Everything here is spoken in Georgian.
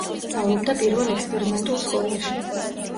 სწავლობდა პირველ ექსპერიმენტულ სკოლაში.